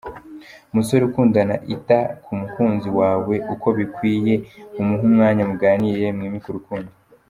Musore ukundana ita ku mukunzi wawe uko bikwiye umuhe umwanya muganire mwimike urukundo.